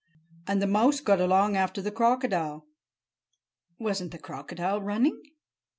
And the mouse got along after the crocodile." "Wasn't the crocodile running?"